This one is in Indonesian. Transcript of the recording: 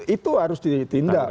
itu harus ditindak